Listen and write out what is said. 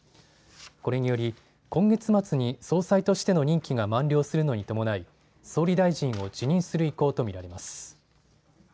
これにより今月末に総裁としての任期が満了するのに伴い総理大臣を辞任する意向と見られます。